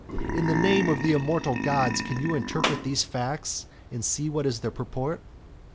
In the name of the immortal gods, can you interpret these facts, and see what is their purport?